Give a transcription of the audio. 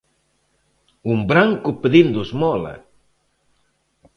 "Un branco pedindo esmola!"